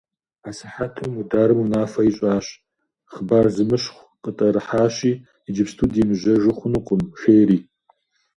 А сыхьэтым Мударым унафэ ищӀащ: «Хъыбар зэщымыщхъу къытӀэрыхьащи, иджыпсту демыжьэжу хъунукъым», – жери.